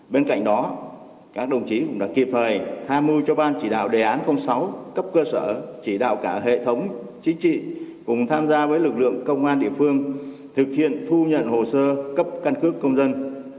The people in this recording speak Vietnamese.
bên cạnh đó các đồng chí cũng đã kịp thời tham mưu cho ban chỉ đạo đề án sáu cấp cơ sở chỉ đạo cả hệ thống chính trị cùng tham gia với lực lượng công an địa phương thực hiện thu nhận hồ sơ cấp căn cước công dân